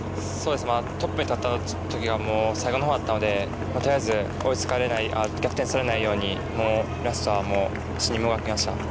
トップに立った時が最後の方だったのでとりあえず逆転されないようにラストは、走りました。